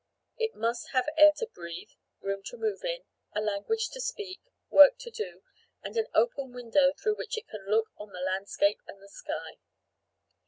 It must have air to breathe, room to move in, a language to speak, work to do, and an open window through which it can look on the landscape and the sky.